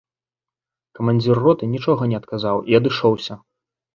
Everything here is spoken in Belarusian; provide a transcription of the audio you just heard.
Камандзір роты нічога не адказаў і адышоўся.